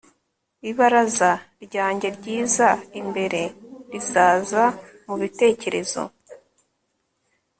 ibaraza ryanjye ryiza imbere rizaza mubitekerezo